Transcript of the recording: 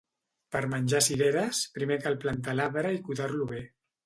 Per menjar cireres, primer cal plantar l'arbre i cuidar-lo bé.